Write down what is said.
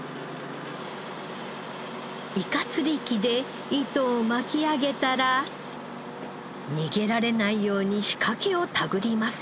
イカ釣り機で糸を巻き上げたら逃げられないように仕掛けを手繰ります。